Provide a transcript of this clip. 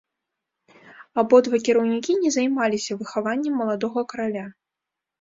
Абодва кіраўнікі не займаліся выхаваннем маладога караля.